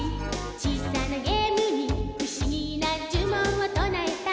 「小さなゲームにふしぎなじゅもんをとなえた」